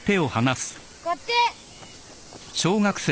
こっち。